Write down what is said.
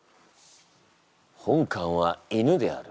本官は犬である。